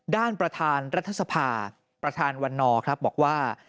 ประธานรัฐสภาประธานวันนอร์ครับบอกว่า